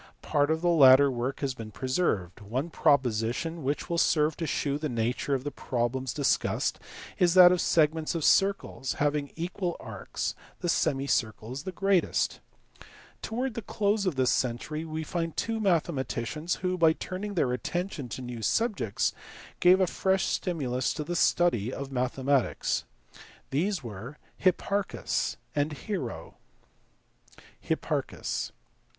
Part of the latter work has been preserved ; one proposition which will serve to shew the nature of the problems discussed is that "of segments of circles, having equal arcs, the semicircle is the greatest." Towards the close of this century we find two mathema ticians who, by turning their attention to new subjects, gave a fresh stimulus to the study of mathematics. These were Hipparchus and Hero. Hipparchus*.